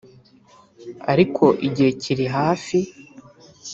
ariko igihe kiri hafi